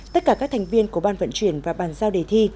tất cả các thành viên của ban vận chuyển và bàn giao đề thi